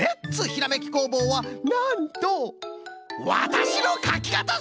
ひらめき工房」はなんと「わたしのかきかた」